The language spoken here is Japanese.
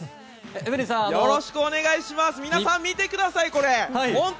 皆さん、見てください。